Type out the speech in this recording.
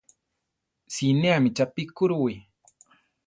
Sineámi chápi kurúwi.